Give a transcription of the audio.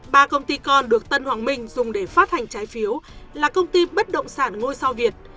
ba công ty con được tân hoàng minh dùng để phát hành trái phiếu là công ty bất động sản ngôi sao việt